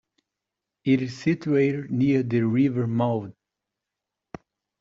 It is situated near the river Mulde.